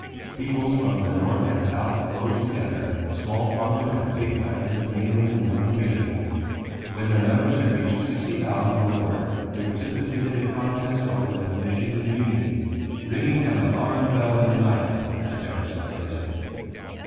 Peoples from the North and South flowed together, small farmers and big planters mingling in one community. When their numbers had reached sixty thousand or more, they precipitated a contest over their admission to the union, "ringing an alarm bell in the night," as Jefferson phrased it.